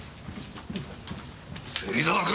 芹沢君！